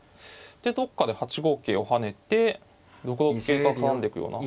でどっかで８五桂を跳ねて６六桂が絡んでくような。